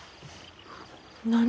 何？